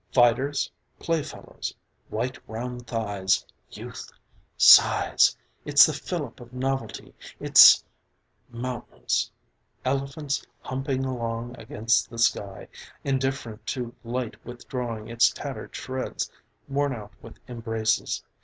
Fighters. Playfellows. White round thighs! Youth! Sighs ! It's the fillip of novelty. It's Mountains. Elephants humping along against the sky indifferent to light withdrawing its tattered shreds, worn out with embraces.